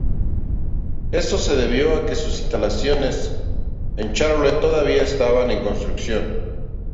Esto se debió a que sus instalaciones en Charlotte todavía estaban en construcción.